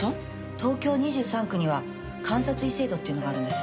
東京２３区には監察医制度っていうのがあるんです。